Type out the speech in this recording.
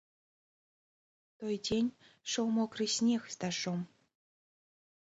У той дзень ішоў мокры снег з дажджом.